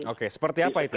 oke seperti apa itu